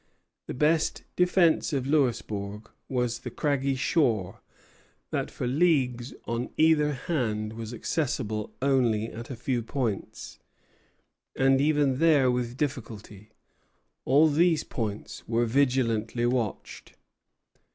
The best defence of Louisbourg was the craggy shore, that, for leagues on either hand, was accessible only at a few points, and even there with difficulty. All these points were vigilantly watched.